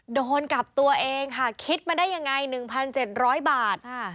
โดนกลับตัวเองค่ะคิดมาได้ยังไงหนึ่งพันเจ็ดร้อยบาทอ่า